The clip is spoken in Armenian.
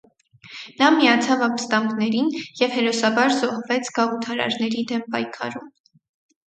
Նա միացավ ապստամբներին և հերոսաբար զոհվեց գաղութարարների դեմ պայքարում։